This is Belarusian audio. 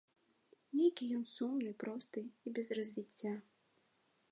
Нейкі ён сумны, просты і без развіцця.